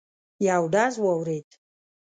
یو ډز واورېد.